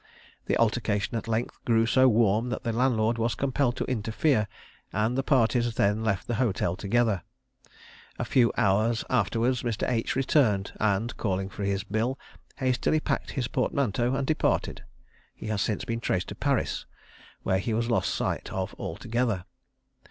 The altercation at length grew so warm that the landlord was compelled to interfere, and the parties then left the hotel together. A few hours afterwards Mr. H. returned, and calling for his bill, hastily packed his portmanteau, and departed. He has since been traced to Paris, where he was lost sight of altogether.